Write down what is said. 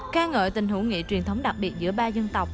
ca ngợi tình hữu nghị truyền thống đặc biệt giữa ba dân tộc